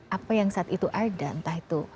apa yang saat itu ada entah itu